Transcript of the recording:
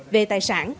về tài sản